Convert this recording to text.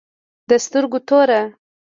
د سترگو توره